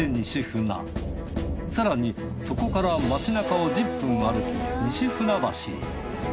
更にそこから街なかを１０分歩き西船橋へ。